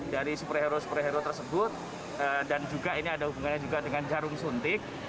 dari superhero superhero tersebut dan juga ini ada hubungannya juga dengan jarum suntik